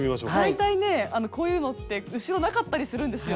大体ねあのこういうのって後ろなかったりするんですよ。